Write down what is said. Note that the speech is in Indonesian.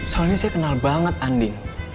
soalnya saya kenal banget andi